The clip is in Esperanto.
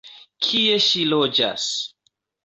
Kie ŝi loĝas?